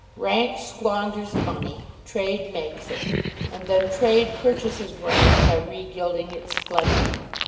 Rank squanders money; trade makes it; and then trade purchases rank by re gilding its splendour.